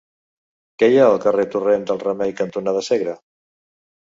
Què hi ha al carrer Torrent del Remei cantonada Segre?